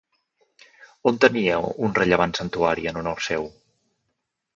On tenia un rellevant santuari en honor seu?